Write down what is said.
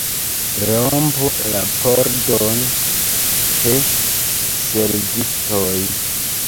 Rompu la pordon, he, servistoj!